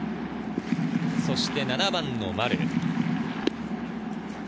そして７番・丸。